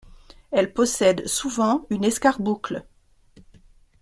Elle possède souvent une escarboucle.